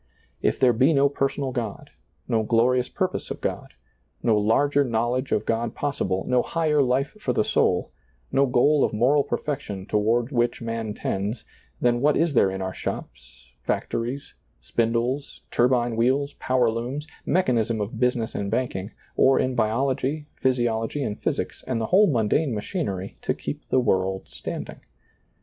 If there be no personal God, no glorious purpose of God, no larger knowledge of God possible, no higher life for the soul, no goal of moral perfection toward which man tends, then what is there in our shops, factories, spindles, turbine wheels, power looms, mechanism of busi ness and banking, or in biology, physiology and physics, and the whole mundane machinery, to keep the world standing